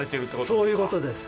そういうことです。